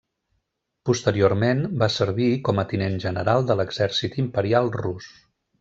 Posteriorment, va servir com a tinent general de l'Exèrcit Imperial Rus.